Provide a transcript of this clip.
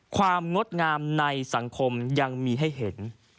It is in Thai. งดงามในสังคมยังมีให้เห็น